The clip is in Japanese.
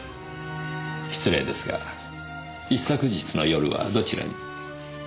失礼ですが一昨日の夜はどちらに？